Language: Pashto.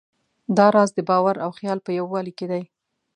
دا راز د باور او خیال په یووالي کې دی.